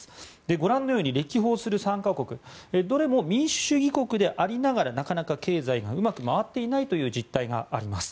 ご覧のように歴訪する３か国どれも民主主義国でありながらなかなか経済がうまく回っていないという実態があります。